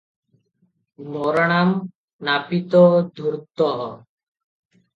'ନରାଣାଂ ନାପିତୋ ଧୂର୍ତ୍ତଃ' ।